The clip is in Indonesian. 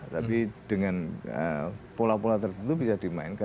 tapi dengan pola pola tertentu bisa dimainkan